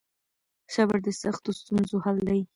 صبر د سختو ستونزو حل دی.